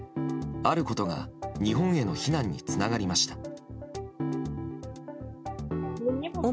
あることが日本への避難につながりました。